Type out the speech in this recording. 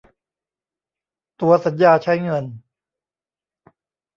ตั๋วสัญญาใช้เงิน